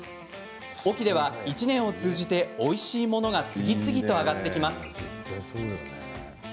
隠岐では１年を通じておいしいものが次々と揚がってきます。